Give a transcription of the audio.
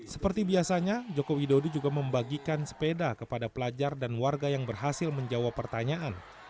seperti biasanya joko widodo juga membagikan sepeda kepada pelajar dan warga yang berhasil menjawab pertanyaan